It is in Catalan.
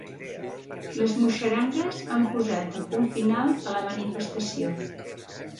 Les muixerangues han posat el punt final a la manifestació.